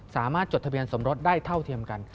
จดทะเบียนสมรสได้เท่าเทียมกัน